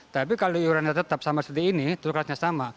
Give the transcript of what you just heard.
tapi kalau iorannya tetap sama seperti ini terus kelasnya sama